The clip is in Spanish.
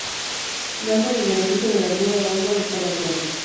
Dándole el beneficio de la duda, Oswald está de acuerdo.